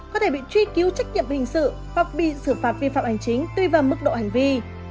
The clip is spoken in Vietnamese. có thể bị truy cứu trách nhiệm hình sự hoặc bị xử phạt vi phạm hành chính tùy vào mức độ hành vi